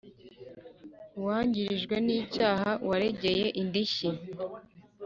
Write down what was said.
Uwangirijwe n icyaha waregeye indishyi